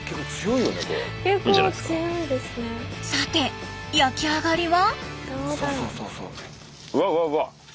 さて焼き上がりは？